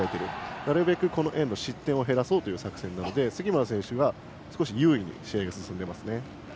なるべくこのエンド失点を減らそうという作戦なので杉村選手が少し有利に試合が進んでいますね。